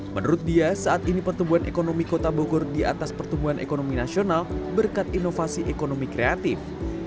menurut dia saat ini pertumbuhan ekonomi kota bogor di atas pertumbuhan ekonomi nasional berkat inovasi ekonomi kreatif